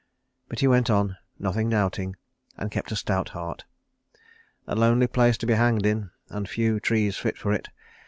But he went on, nothing doubting, and kept a stout heart. "A lonely place to be hanged in, and few trees fit for it.